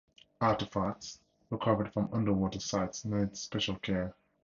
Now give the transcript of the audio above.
Artifacts recovered from underwater sites need special care.